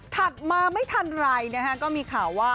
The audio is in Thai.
ถัดมาไม่ทันไรก็มีข่าวว่า